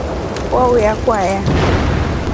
Wauya kwaya.